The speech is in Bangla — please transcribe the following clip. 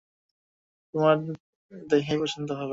তোমার দেখেই পছন্দ হবে।